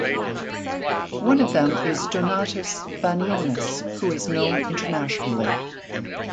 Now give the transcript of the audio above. One of them is Donatas Banionis who is known internationally.